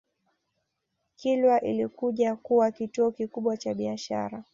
Kilwa ilikuja kuwa kituo kikubwa cha biashara